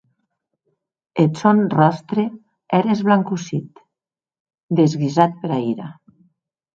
Eth sòn ròstre ère esblancossit, desguisat pera ira.